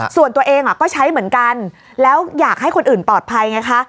ส่วนตัวเองก็ใช้เหมือนกันแล้วอยากให้คนอื่นปลอดภัยไงคะ